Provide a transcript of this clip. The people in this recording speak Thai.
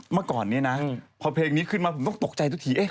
เมื่อก่อนนี้นะพอเพลงนี้ขึ้นมาผมต้องตกใจทุกที